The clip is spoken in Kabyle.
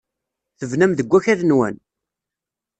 Tebnam deg wakal-nwen?